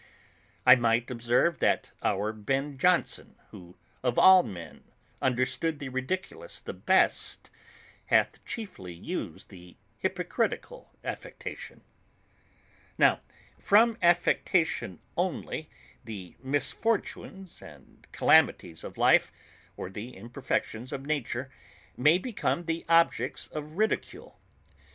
I might observe that our Ben Jonson, who of all men understood the Ridiculous the best, hath chiefly used the hypocritical affectation. Now from affectation only, the misfortunes and calamities of life, or the imperfections of nature, may become the objects of ridicule.